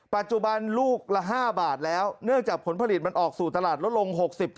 ปัจจุบันลูกละ๕บาทแล้วเนื่องจากผลผลิตมันออกสู่ตลาดลดลง๖๐